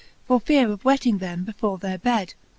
For feare of wetting them before their bed.